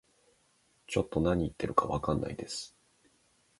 ちょっと何言ってるかわかんないです